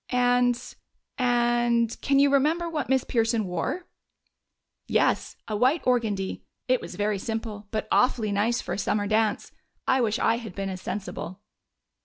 "And and can you remember what Miss Pearson wore?" "Yes. A white organdie. It was very simple, but awfully nice for a summer dance. I wish I had been as sensible."